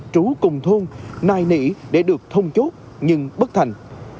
trú cùng thôn nài nỉ để được thông chốt nhưng bất thành